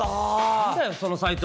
何だよそのサイト。